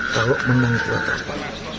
kalau menang tidak ada apa